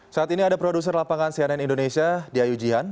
saat ini ada produser lapangan cnn indonesia diayu jihan